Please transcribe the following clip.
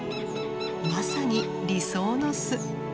まさに理想の巣。